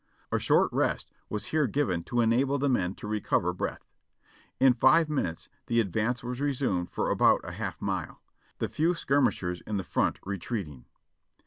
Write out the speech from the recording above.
A short rest was here given to enable the men to recover breath. In five minutes the advance was resumed for about a half mile, the few skirmishers in the front retreating.